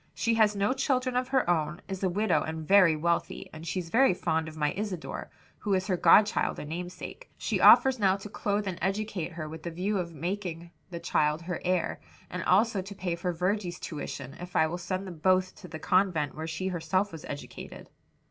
"She has no children of her own, is a widow and very wealthy, and she's very fond of my Isadore, who is her godchild and namesake. She offers now to clothe and educate her, with the view of making the child her heir; and also to pay for Virgy's tuition, if I will send them both to the convent where she was herself educated."